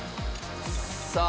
さあ。